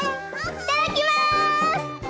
いただきます！